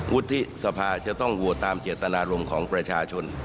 วุฒิสภาจะต้องโหวตตามเจตนารมณ์ของประชาชน